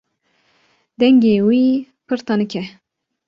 Dengê wî pir tenik e.